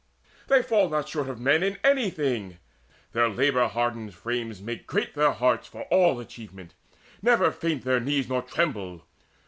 'They fall not short of men in anything: Their labour hardened frames make great their hearts For all achievement: never faint their knees Nor tremble.